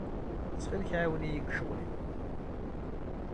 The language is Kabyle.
Ttxil-k ɛiwen-iyi deg ccɣel-iw.